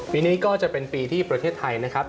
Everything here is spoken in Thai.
ปีนี้ก็จะเป็นปีที่ประเทศไทยนะครับ